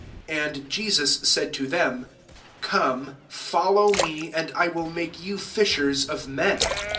17 And Jesus said to them, " Come, follow nie, and I will make you fishers of men.'